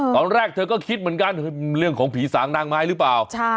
ตอนแรกเธอก็คิดเหมือนกันเรื่องของผีสางนางไม้หรือเปล่า